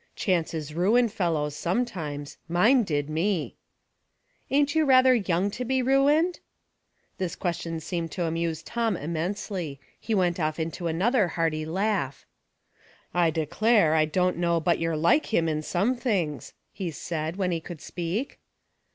Chances ruin fellows, sometimes ; mine did me "'• Ain't you rather young to be ruined ?" This question seemed to amuse Tom immense ly. He went off into another hearty laugh. 86 Household Puzzles. " I declare, I don't know but you're like him in some things," he said, when he could speak.